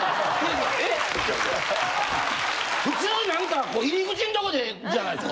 普通何か入口のとこでじゃないですか。